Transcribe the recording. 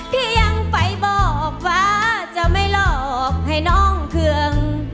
พี่ยังไฟบอบฟ้าจะไม่ลอบให้น้องเคือง